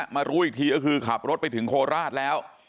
รู้อีกทีก็คือขับรถไปถึงโคราชแล้ว